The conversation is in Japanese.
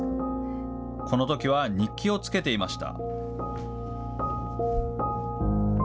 このときは日記をつけていました。